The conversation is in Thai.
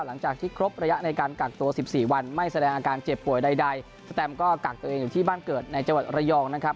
หลังจากที่ครบระยะในการกักตัว๑๔วันไม่แสดงอาการเจ็บป่วยใดสแตมก็กักตัวเองอยู่ที่บ้านเกิดในจังหวัดระยองนะครับ